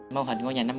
mâu hình ngôi nhà năm